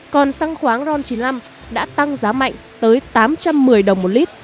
còn xăng khoáng ron chín mươi năm đã tăng giá mạnh tới tám trăm một mươi đồng một lít